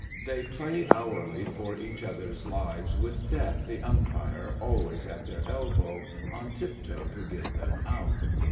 They play hourly for each other's lives with Death the Umpire always at their elbow on tip toe to give them "Out."